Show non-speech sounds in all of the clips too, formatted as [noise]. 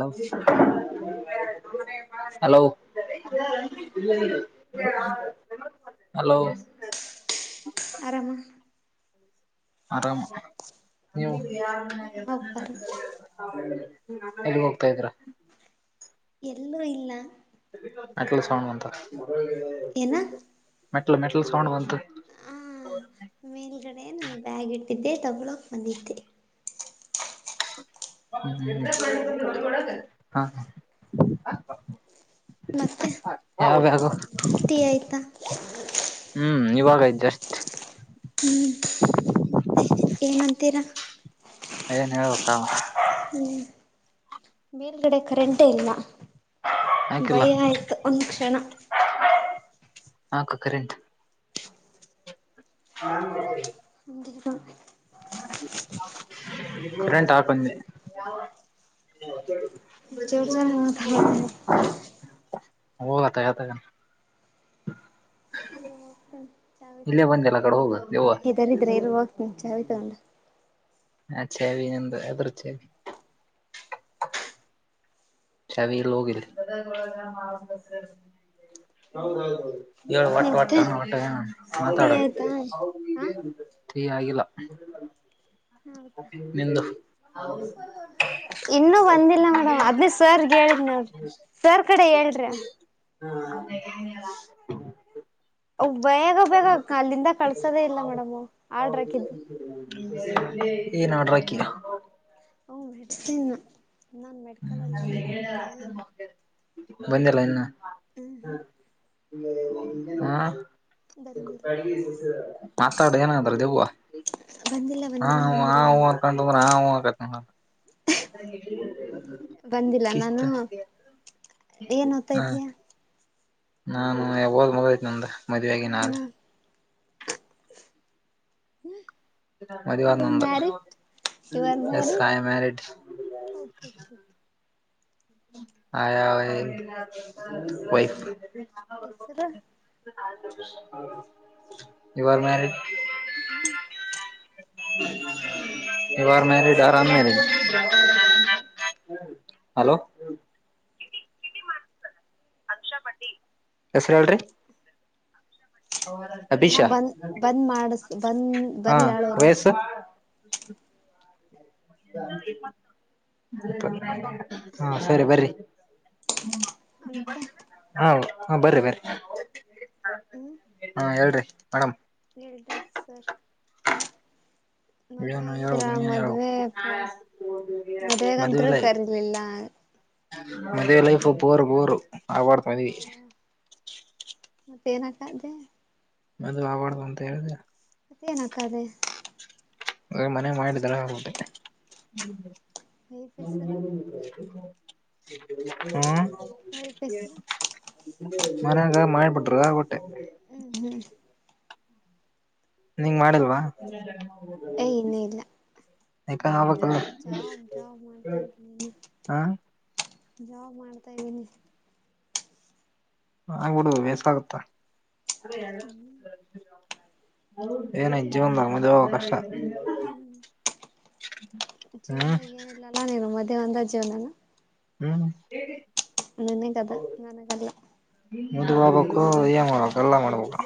Low hello. Hello E [unintelligible] ಆರಾಮ ಆರಾಮ ನೀವು [unintelligible] ನಾವುಾರ ಎಲ್ಲಿಗೆ ಹೋಗ್ತಾ ಇದ್ದೀರಾ ಎಲ್ಲೂ ಇಲ್ಲ [inaudible] ಅಟ್ಲ ಸೌಂಡ್ ಅಂತ ಏನ ಮೆಟ್ ಮೆಟಲ್ ಸೌಂಡ್ ಬಂತು ಆ ಮೇಲ್ಗಡೆ ನಂದು ಬ್ಯಾಗ್ ಇಟ್ಟಿದ್ದೆ ತಗೋಳಕ್ ಬಂದಿದ್ದೆ [unintelligible] ಹ ಮತ್ತೆ ಯಾವಾಗ ಟೀ ಆಯ್ತಾ ಹ್ಮ್ ಇವಾಗಯತು ಜಸ್ಟ್ ಹ್ಮ್ ಮತ್ತೆ ಏನಂತೀರ ಏನ್ ಹೇಳ್ಬೇಕ ಹ್ಮ್ ಬೇರ್ಗಡೆ ಕರೆಂಟೇ ಇಲ್ಲ ಹಾಕಿಲ್ಲ ಭಯ ಆಯ್ತು ಒಂದ್ ಕ್ಷಣ ಹಾಕು ಕರೆಂಟ್ ಕರೆಂಟ್ ಆಕ್ಂದೆ ಜೋರ್ ಜೋರ ಮಾತಾಡ ಬ [unintelligible] ಗತ ಗತ [unintelligible] ಚವಿ ತಗೊಂಡ ಇದರಿದ್ರೆ ಇರು ಹೋಗ್ತೀನಿ ಚಾವಿ ತಗೊಂಡು ಹ ಚಾವಿ ನಂದ ಎದ್ರು ಚಾವಿ ಚಾವಿ ಇಲ್ಲ ಹೋಗಿದೆ [unintelligible] ಹೌದೌದು ಹೇಳಏು ಒಟ್ಟು ಮತ್ತೆ ಒಟ್ಟಣ ಒಟ್ಟ ಏನ ಟೀ ಮಾತಾಡು ಆಯ್ತಾ ಹಾ ಸರಿ ಆಗಿಲ್ಲ ಹೌದಾ ನಿಂದು ಇನ್ನುೂ ಬಂದಿಲ್ಲ ಮೇಡಮ್ ಅದ್ನೇ ಸರ್ ಹೇಳಿದ್ ನೋಡ್ರಿ ಸರ್ ಕಡೆ ಹೇಳ್ರಿ ಹಾ [unintelligible] ಬೇಗ ಬೇಗ ಅಲ್ಲಿಂದ ಕಳ್ಸೋದೇ ಇಲ್ಲ ಮೇಡಮ್ ಆಡ್ರಕಿದ್ದ ಏನ್ ಆಡ್ರಾಕಿಯ ಹ ಮೆಡಸನ್ ನಾನ್ ಮೆಡಿಕಲ್ ಅಲ್ಲಿ ವರ್ಕ್ ಮಾಡ್ತೀಿನ ಬಂದಿಲ್ಲ ಇನ್ನ ಹಾ ಬಂದಿಲ್ಲ ಮಾತಾಡ ಏನಂದ್ರು ದೆವ್ವ ಬಂದಿಲ್ಲ ಹಾ ಬಂದಿಲ್ಲ ಹೂ ಹಾ ಬಂದಿಲ್ಲ ಹೂ ಅನ್ಕೊಂಡು ಹಾ ಹೂ ಅನ್ಬೇಕ ನೋಡ ಬಂದಿಲ್ಲ ಕ್ತ ನಾನು [unintelligible] ಏನ್ ಓದ್ತಾ ಇದ್ದೀಯ ನಾನು ಯಾವಾಗ್ಲೋ ಅಗೋಯ್ತು ನಂದು ಮದ್ವೆ ಆಗೀನಿ ಏನು ಆಗ್ಲೇ ಹ್ಮ [unintelligible] ಮದ್ವೇಯದ್ ನಂದು you are S married ಆಯಮ್ಯರಿಡ್ okay okay okay. ಹಯಯ್ ಹೆಸರು ಯು ಆರ್ ಮ್ಯಾರಡ್ ಹ ಈವಾರ ಮ್ಯಾರಡ್ ಆರಾಮ ಮ್ಯರೆಜ ಐ ಆಮ್ ಸಿಂಗಲ್ ಹೆಸರ ಹೇಳರಿ ಅಣ್ಣ ಅಭಿಷಾ ಬಂದ್ ಬಂದ್ ಮಾಡಿಸ್ ಬಂದ್ ಹಾ ಬರ್ಲಿ ಆಳೋರು ವಯಸ್ಸು [inaudible] ಹಾ ಸರಿ ಬರಿ ಮತ್ತೆ ಹಾ ಹ ಬರ್ರಿ ಬರ್ರಿ ಹ್ಮ್ ಹಾ ಹೇಳ್ರಿ ಮೇಡಮ್ ಹೇಳ್ರಿ ಸರ್ ಮದ್ವೆ ಏನು ಹೇಳ್ಬೇಕು ಆಗಿದೀರಾ ನೀನ್ ಹೇಳ್ಬೇಕು ಮದ್ವೆ ಮದ್ವೆಗಂತರುೂ ಕರಿಲಿಲ್ಲ ಮದೇ ಲೈಫ್ ಬರು ಬರು ಅವಬಡ್ತದವಿ ತರಕಾದದೆ ಮದುು ಆವಡ್ತ ಅಂತ ಹೇಳ ಅತ್ತೇಏನಕ್ಕಾದೆ ಅ ಮನೆೆಯ ಮಾಡ ತರ ಹಬೋಟ್ಟೆ ವೈಟ್ ಹೆಸರು ಹ್ಮ ವೈಟ್ ಹೆಸರು ಹ್ಮ ಹ್ಮ ಮ ಮಯಪಟ್ಟರು ಹ್ಮ್ ಹ್ಮ್ ನಿಂಗ ಮಾಡಿಲ್ವಾ ಏ ಇನ್ನುೂ ಇಲ್ಲ ಯಾಕ ಆಗ್ಬೇಕಲ್ಲ ಜಾಬ್ ಜಾಬ್ ಮಾಡ್ತಾ ಇದನಿ ಹ ಜಾಬ್ ಮಾಡ್ತಾ ಇದ್ದೀನಿ ಆಗ್ಬಿಡ ಬೇಸ್ ಆಗುತ್ತ ಏನ ಇ್ಜೀವದ ಮದ ಕಷ್ಟ ಹ್ಮ ಹ್ಮ್ ಜೀವನದಾಗ ಏನಿಲ್ಲಲ್ಲ ನೀನು ಮದ್ೆ ಒಂದ ಜೀವನನ ಹ್ಮ ನನ್ನಗದೆ ನನಗಲ್ಲ ಮುದ್ ಹೋಗ್ಬೇಕು ಏನ್ ಮಾಡ್ಬೇಕು ಎಲ್ಲಾ ಮಾಡ್ಬೇಕು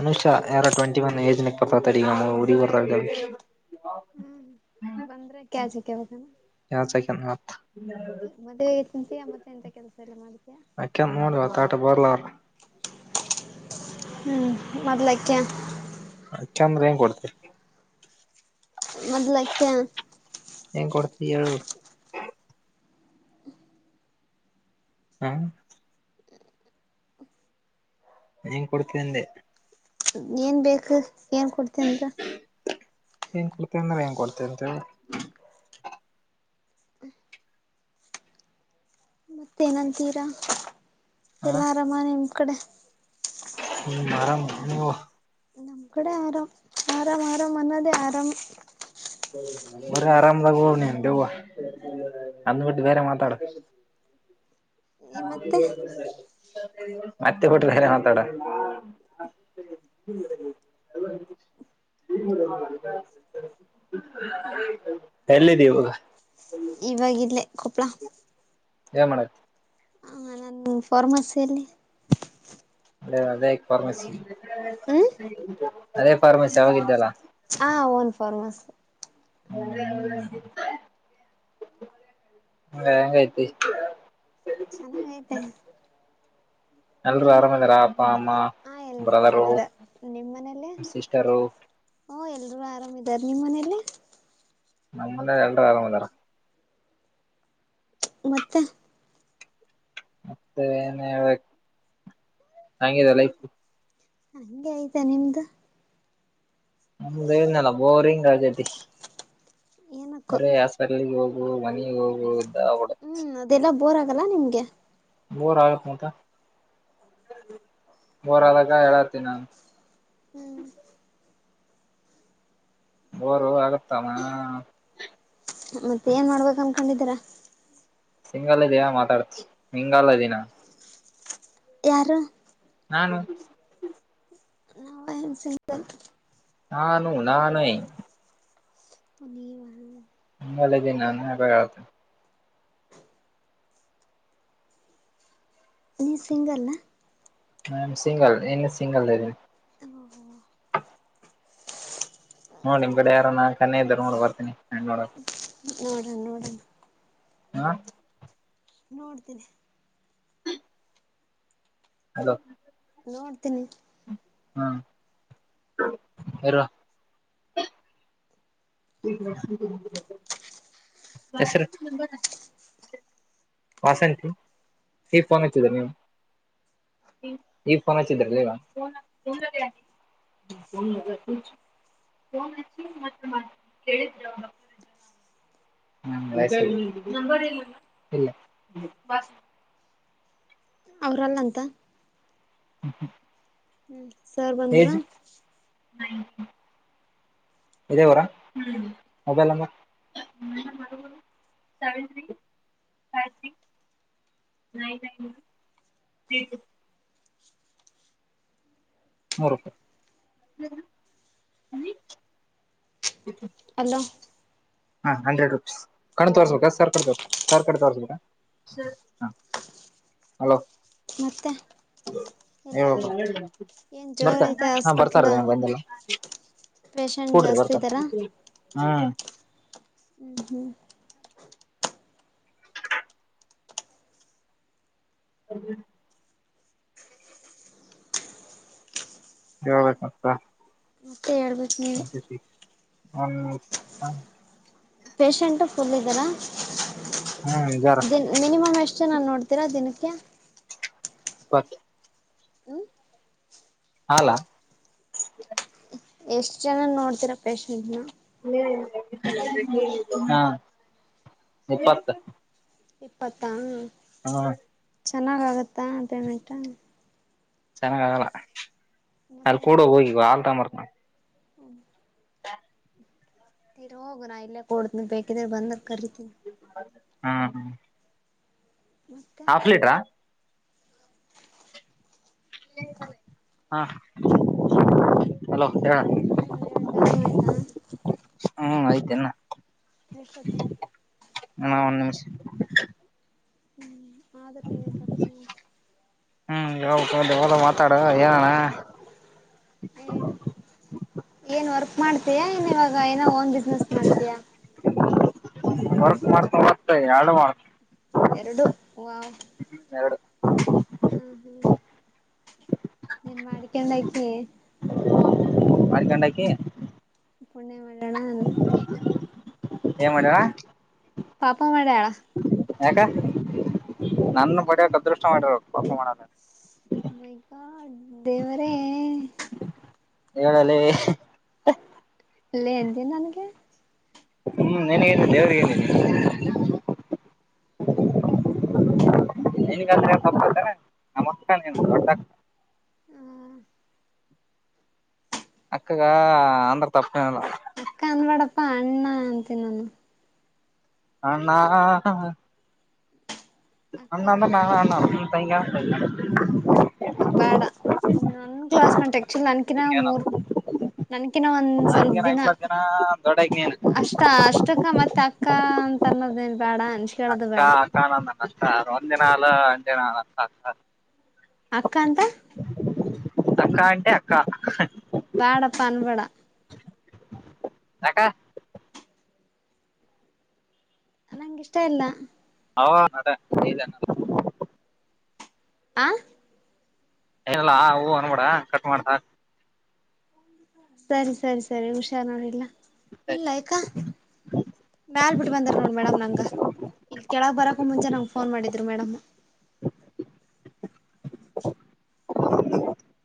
ಅನುಷಾ ಎರ ಟ್ ಒ ಏಜ್ ತ ಉರಿ ಹ್ಮ್ [unintelligible] ಬಂದ್ರೆ ಕ್ಯಾ ಜಗವಖಾನ ಯಾವ್ದ್ ಸೆಕೆಂಡ್ ಮತ್ ಮದ್ವೆಗೆ ತಿಂತಿಯಾ ಮತ್ತೆ ಎಂತ ಕೆಲಸ ಎಲ್ಲ ಮಾಡ ಅಕ್ಕ ನೋಡಿವಾ ತಾಟ ಬರ್ಲಾರ ಹ್ಮ್ ಮದಲಕ್ಕ ಚಂದ್ರ ಹೆಂಗ ಕೊಡ್ತ ಮೊದ್ಲಕ್ಕೆ ಹೆ ಕೊಡ್ತೀರು ಹಾ ಹಂಗ ಕೊಡ್ತಿದ್ದೆ ಏನ್ ಬೇಕು ಏನ್ ಕೊಡ್ತೇನ್ ನ್ ಕೊಡ್ತೆ ಅಂದ್ರ ಹೆಂಗ ಕೊಡ್ತೆ ಅಂತೆ ಮತ್ತೇನಂತೀರಾ ಹ ಎಲ್ಲ ಅರಾಮ ನಿಮ ಕಡೆ ಹ್ಮ ನಮ್ ಕೂಡೆ ಆರಾಮ ಆರಾಮ ಆರಾಮ ಮನ್ನದೆೇ ಆರಾಮ ಬರ ಆರಾಮದಾಗ ಬನ ದವು ಅನ್ನು ವಟ್ಟಿ ಬೇರೆ ಮಾತಾಡ ಮತ್ತೆ ಮತ್ತೆ ಕೊಟ್ಟ್ರ ಹರೆತೋಡ [inaudible] [unintelligible] ಎಲ್ಲಿದ್ದೀವಾಗ ಇವಾಗಲೇ ಕೊಪ್ಪಳ ಏ ಮಾಡತಿ ಹ್ಮ ಪರಮಾಸೆಯಲ್ಲಿ ಅ ಅದೇ ಫಾರ್ಮಸಿ ಹ್ಮ್ ಅದೇ ಫಾರ್ಮಸಿ ಅವಾಗಿದ್ದಲ್ಲ ಹಾ ಓನ್ ಫಾರ್ಮಸ್ ಹ [unintelligible] ಚೆನ್ನಾಗಿಗೈತೇ ಎಲ್ರುೂ ಆರಾಮಂದಾರಾ ಹಾ ಎಲ್ರುೂ ಆರಾಮದ ನಿಮ್ಮ್ ಮನೇಲಿ ಸಿಸ್ಟರು ಓ ಎಲ್ರುೂ ಆರಾಮದ ಇದಾರೆ ನಿಮ್ಮ್ ಮನೇಲಿ ನಮ್ಮಂದ ಎಲ್ರ ಆರಾಮ್ ಅದಾರ ಮತ್ತೆ ಮತ್ತೆ ಏನ್ ಹೇಳ್ಬೇಕು ಹಂಗಿದೆ ಲೈಫ ಹಂಗೆ ಆಯ್ತಾ ನಿಮ್ದು ಹೇನಲ್ಲ ಬೋರಿಂಗ್ ಆಗೈ ತಿ ಏನಕ್ಕೋ ಅವರ ಯಸರ್ಲ್ಲಿಗ್ ಹೋಗು ಮನಿಗ್ ಹೋಗು ಇದಾಗ್ಬಿಡ ಹ್ಮ್ ಅದೆಲ್ಲಾ ಬೋರ್ ಆಗಲ್ಲ ನಿಮ್ಗೆ ಬೋರ್ ಆಕ್ ಮಟ ಬೋರ್ ಆದ ಆದಾಗ ಹೇಳಾತೀಿ ನಾನು ಹ್ಮ್ ಬೋರು ಆಗುತಮ್ಮ ಮತ್ತೆ ಏನ್ ಮಾಡ್ಬೇಕ ಅನ್ಕೊಂಡಿದ್ದೀರಾ ಸಿಂಗಲ್ ಇದಿಯ ಮಾತಾಡ್ತ ಸಿಂಗಾಲ ದೀಿನ ಯಾರು ಹ ಐಯಾಮ್ ಸಿಂಗ [unintelligible] ನಾನು ನಾಹೈ ನೀವಾ ಲೆಗನ್ನಳ [unintelligible] ನೀ ಸಿಂಗಲ ಹ್ಮ್ ಸಿಂಗಲ್ ಇನ್ನು ಸಿಂಗಲ್ ಅ ನೋಡಿ ನಿಮ್ ಕಡೆ ಯಾರೋ ನಾನ್ ಕನ್ನ ಇದ್ದರು ನೋಡ್ ಬರ್ತೀನಿ ನ ನೋಡ ನೋಡ ಹಾ ನೋಡ್ತೀನಿ ಹಲೋ ನೋಡ್ತೀನಿ ಹ್ಮ ಯರ ಬ [unintelligible] ವಸಂಂತ ಹಫೋನ್ ಹೆಚ್ಚದ ನೀ ಈ ಫೋನ್ ಹಚ್ಚಿದ್ರಲ್ಲ ಈಗ ಹ ಹ ಹು [unintelligible] ಫೋನ್ ಹಚ್ಚಿ ಮಾತ್ರ ಕೇಳಿದ್ರ ಅವ ನ [unintelligible] ಅಗಲ್ಲಹಂತ ಹ್ಮ ಹ್ಮ [inaudible] ಸಾರ್ ಬಂದ್ರ ನಾಸ್ ಇದೇವಊರ ಮೊಬೈಲ್ ನಂಬರ್ ಸೆವೆನ್ [unintelligible] ಫೈವ್ ಸಿ ನತತ [unintelligible] ಬ [unintelligible] [inaudible] ಅಲ್ಲ ಹಾ ಹಂಡ್ರೆಡ್ ರುಪೀಸ್ ಕಣ್ಣ ತೋರ್ಸ್ಬೇಕಾ ಸರ್ ಕು ತೋರ್ ಸಾರ್ ಕಡೆ ತೋರ್ಸ್ಬೇಕಾ ಹಲೋ ಮತ್ತೆ ಎಲ್ಲಾ ಹೇಳ್ಬೇಕು ಏನ್ ಜೋರ ಬರ್ತಾರ ಐತೆ ಹಾ ಬರ್ತಾರ ಹಾಸ್ಪಿಟ್ಲ್ ನೀವ್ ಬಂದಿಲ್ಲ ಪೇಶಂಟ್ ಕೂಡ್ರಿ ಜಾಸ್ತಿ ಬರ್ತಾರ ಇದ್ದಾರ ಹ್ಮ್ ಹ್ಮ್ ಹ್ಮ್ ಅದೆ ಹೇಳ್ಬೇಕ ಮತ್ತ [inaudible] ಹ್ಮ ಪೇಶಂಟ್ ಫುಲ್ ಇದ್ದೀರಾ ಜರ ದನ್ ಮಿನಿಮಮ್ ಎಷ್ಟು ಜನ ನೋಡ್ತೀರಾ ದಿನಕ್ಕೆ ಇಪತ್ತು ಹ್ಮ್ ಹಲ್ಲಾ ಎಷ್ಟ್ ಜನ ನೋಡ್ತೀರಾ ಪೇಶಷೆಂಟ್ ನ ಹಾದಿನಾ ಹ್ಮ್ ಯಿಪ್ಪತ್ತು ಇಪ್ಪತ್ತಾ ಹ ಚೆನ್ನಾಗಾಗತ್ತಾ ಪೇಮೆಂಟ ಚೆನ್ನಾಗ ಆಗಲ್ಲ ಮತ್ತೆ ಅಲ್ಲಿ ಕೂಡ ಹೋಗಿ ಆಲ್ಟಾಮರ್ ನ ಹ್ಮ ತರ್ ಹೋಗು ನಾ ಇಲ್ಲೇ ಕೊೂಡನ ಬೇಕಿದ್ರೆ ಬಂದ ಹ್ಮ ಹ ಮತ್ತೆ ಹಾಫ್ ಲೀಟ್ರಾ ಹಾಲೋ ಹೇಳ ಹ್ಮ್ ಇವಾಗ ಟೈಮ್ ಆಯ್ತಾ ಹ್ಮ್ ಆಯ್ತಲ್ಲ ಎಸ್ಟೋತೂ ಹ ಒ ನಿಮಷ ಹ್ಮ್ ಆದರ್ ನೀನ ಸಪ್ ಹ್ಮ್ ಯಾವ ಯದ ಮಾತಾಡುವ ಏನಣ್ಣ [inaudible] ಹೇಳು ಏನ್ ವರ್ಕ್ ಮಾಡ್ತಯಾ ಏನ್ ಇವಾಗ ಏನೋ ಓನ್ ಬಿಸ್ನೆಸ್ ಮಾಡ್ತೀಯಾ ವಕ್ ಮಾಡ್ತ ಮತ್ತ ಎರಡು ಮಾಡ್ತ ಎರಡು ವಾವ್ ಎರಡು ಹ ಹ್ಮ ನೀನ್ ಮಾಡಿಕೊಂಡಾಕಿ ಹ ಮಾಡ ಕಂಡಾಕಿ ಪುಣೆ ಮೇಳಣ ಏನ ಮಾಡ್ಯಳ ಪಾಪ ಮಡ್ಯಾಳ ಯಾಕ ನನ್ನ ಸುಮ್ನೆ ಪಡಿಯಕ್ ಅದೃಷ್ಟ ಮಾಡಿರ ಪಪ ಮಾಡದ ದೇವರೇ ಹೇಳಲ್ಲ ಲೇ ಎಂತಿ ನನಗೆ ಹ್ಮ್ ನನ್ಗ ನಿದ್ದೆ ಅವ್ರಿಗೆನಿಲ್ಲ ನಿನ್ಗ ತಾತಾರೆ ನಮಸ್ಕಾರ ನೀನುತ ಹ ಅಕ್ಕಗ ಅಂದ್ರ ತಪ್ಪೇನಲ್ಲ ಅಕ್ಕ ಅನಬಾಡಪ್ಪ ಅಣ್ಣ ಅಂತ ನಾನು ಅಣ್ಣಾ ಅಕ್ಕ ಅಣ್ಣಂತ ಅನು ಅನ್ಬೇಡ ನಾನು ಅಣ್ಣ ಅಂತೀನಿ ಬೇಡ ಒಂದ ಕ್ಲಾಸ್ ನಟೆಕ್ಚುಲ್ ನನ್ಕಿನ ಮೂರ್ ತಂಗಿ ನನ್ಕಿನ ಒಂದ್ ಸ್ವಲ್ಪ ಹಂಗೇನ್ ದಿನ ಇಪ್ಪತ್ ದೊಡ್ಡಗ್ ನೀನ್ ಅಷ್ಟ ಅಷ್ಟಕ್ಕ ಮತ್ತೆ ಅಕ್ಕ ಅಂತ ಅನ್ನೋದೇನ್. ಬೇಡ ಅನ್ಸ್ಕಳೋದು ಅಷ್ಟ ಬೇಡ ಕಾಣ ಅಷ್ಟ ಒಂದಿನ ಅಲ್ ಒಂದಿನ ಅ. ಅಕ್ಕ ಅಂತ. ಅಕ್ಕ ಅಟೆ ಅಕ್ಕ.. ಬ್ಯಾಡಪ್ಪ ಅನ್ಬಡ. ನಕ ನಂಗಿಷ್ಟ ಇಲ್ಲ ಹ ಅದ ನೀ [unintelligible] ಆ ಏನಲ್ಲಾ ಹೂ ಅನ್ಬಡ ಕಟ್ ಮಾಡ ಸರಿ ಸರಿ ಸರಿ ಹುಷಾರ್ ನೋಡಿಲ್ಲ ಇಲ್ಲ ಆಯ್ಕಾ ಮೇಲ್ ಬಿಟ್ಟ ಬಂದಾರ ನೋಡ್ ಮೇಡಮ್ ನಂಗ. ಇಲ್ ಕೆಳಗೆ ಬರಕ ಮುಂಚೆ ನಂಗೆ ಫೋನ್ ಮಾಡಿದ್ರು ಮೇಡಮ್..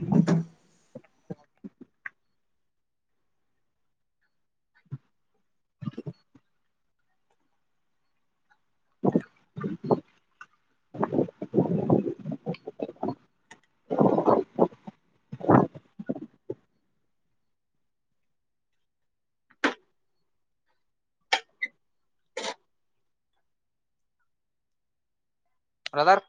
ಹ್ಮ್ಮ್.. ಹ್ಮ್ಮ್. ಹ್ಮ್ಮ್. ಬ್ರೋಥರ್.